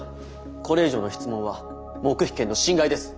これ以上の質問は黙秘権の侵害です。